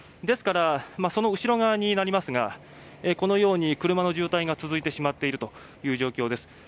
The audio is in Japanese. ですからその後ろ側になりますがこのように車の渋滞が続いてしまっているという状況です。